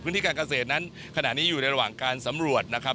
พื้นที่ทางการเกษตรนั้นขนาดนี้อยู่ในระหว่างการสำรวจนะครับ